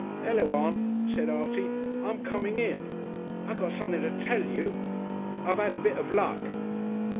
"Ullo, Aunt," said Artie. "I'm coming in. I got somethin' to tell you. I've 'ad a bit of Luck."